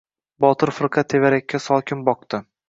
Botir firqa tevarakka sokin boqdi.